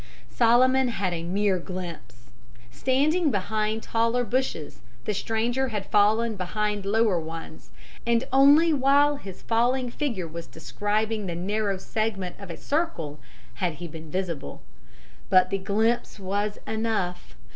Solomon had a mere glimpse. Standing behind taller bushes, the stranger had fallen behind lower ones, and only while his falling figure was describing the narrow segment of a circle had he been visible. But the glimpse was enough.